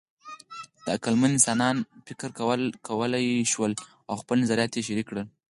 د عقلمن انسانان فکر کولی شول او خپل نظریات یې شریک کړل.